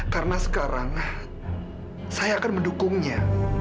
karena sekarang saya akan mendukungnya